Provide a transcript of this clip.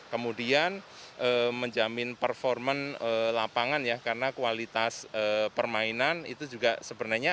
kemudian menjamin performan lapangan ya karena kualitas permainan itu juga sebenarnya